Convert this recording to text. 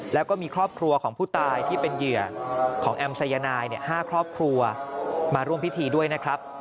แล้วก็มีครอบครัวของผู้ตายที่เป็นเหยื่อของแอมสายนาย๕ครอบครัวมาร่วมพิธีด้วยนะครับ